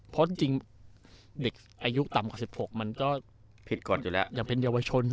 เพราะจริงเด็กอายุต่ำกว่า๑๖มันก็ผิดกฎอยู่แล้วยังเป็นเยาวชน